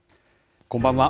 こんばんは。